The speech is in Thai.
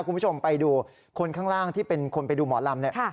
คุณผู้ชมไปดูคนข้างล่างที่เป็นคนไปดูหมอลำเนี่ย